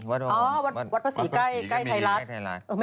วัดพระศรีใกล้ไทยรัฐ